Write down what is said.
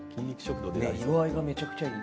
ねえ色合いがめちゃくちゃいい。